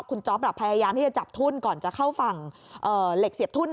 คุณจ๊อปพยายามที่จะจับทุ่นก่อนจะเข้าฝั่งเหล็กเสียบทุ่น